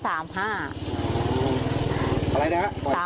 อะไรนะ